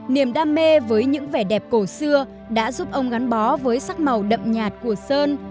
niềm đam mê với những vẻ đẹp cổ xưa đã giúp ông gắn bó với sắc màu đậm nhạt của sơn